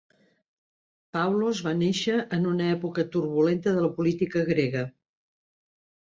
Pavlos va néixer en una època turbulenta de la política grega.